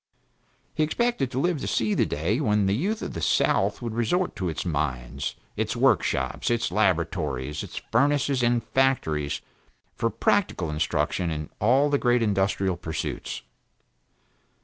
He expected to live to see the day, when the youth of the south would resort to its mines, its workshops, its laboratories, its furnaces and factories for practical instruction in all the great industrial pursuits.